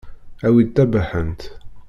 Awi-d tabaḥant.